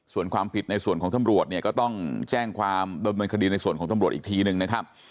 ส่วนความผิดในส่วนของตำรวจเนี่ยก็ต้องแจ้งความดำเนินคดีในส่วนของตำรวจอีกทีหนึ่งนะครับ